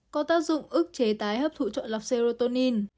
có tác dụng ức chế tái hấp thụ trọng lọc serotonin